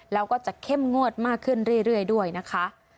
แล้วก็จะเข้มงวดมากขึ้นเรื่อยด้วยนะคะ